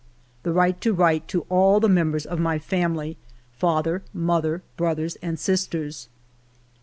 The right to write to all the members of my family, — father, mother, brothers, and sisters.